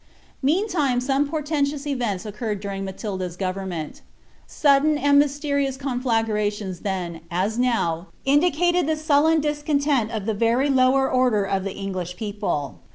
Meantime some portentous events occurred during Matilda's govern ment Sudden and mysterious conflagrations then, as now, indicated the sullen discontent of the very lower order of the English people.